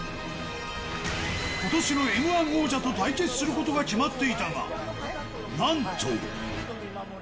ことしのＭー１王者と対決することが決まっていたが、なんと。